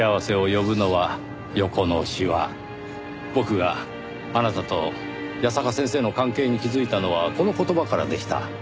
僕があなたと矢坂先生の関係に気づいたのはこの言葉からでした。